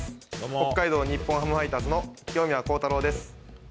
北海道日本ハムファイターズの清宮幸太郎です。